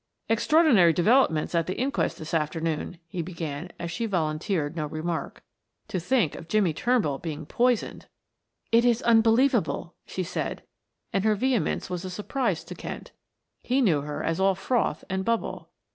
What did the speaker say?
"Extraordinary developments at the inquest this afternoon," he began, as she volunteered no remark. "To think of Jimmie Turnbull being poisoned!" "It is unbelievable," she said, and her vehemence was a surprise to Kent; he knew her as all froth and bubble.